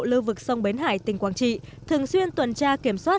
lưu vực sông bến hải tỉnh quảng trị thường xuyên tuần tra kiểm soát